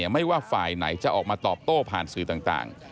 ไม่ว่าฝ่ายไหนจะออกมาตอบโต้ผ่านสื่อต่าง